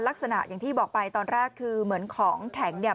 อย่างที่บอกไปตอนแรกคือเหมือนของแข็งเนี่ย